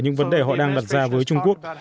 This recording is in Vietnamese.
những vấn đề họ đang đặt ra với trung quốc